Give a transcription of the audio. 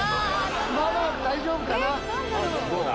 まだ大丈夫かな。